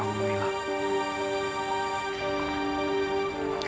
orang yang suami penj tipu itu pun